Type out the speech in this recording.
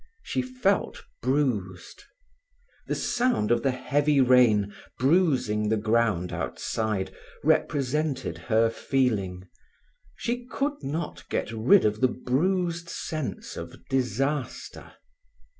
She felt bruised. The sound of the heavy rain bruising the ground outside represented her feeling; she could not get rid of the bruised sense of disaster.